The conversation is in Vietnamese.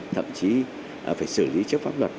thậm chí phải xử lý chức pháp luật